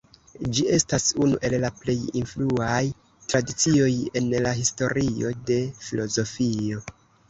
Ĝi estas unu el la plej influaj tradicioj en la historio de filozofio.